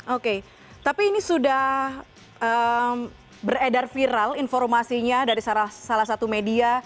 oke tapi ini sudah beredar viral informasinya dari salah satu media